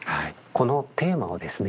このテーマをですね